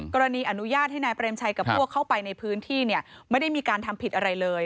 อนุญาตให้นายเปรมชัยกับพวกเข้าไปในพื้นที่ไม่ได้มีการทำผิดอะไรเลย